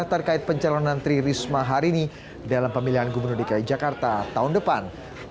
terkait pencalonan tri risma hari ini dalam pemilihan gubernur dki jakarta tahun depan